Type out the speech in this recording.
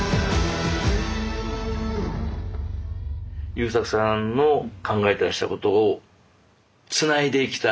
優作さんの考えてらしたことをつないでいきたい。